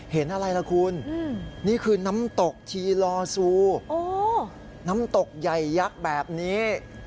เห็นอะไรล่ะคุณนี่คือน้ำตกทีลอซูน้ำตกใหญ่ยักษ์แบบนี้